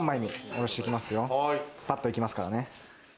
パッと行きますからね。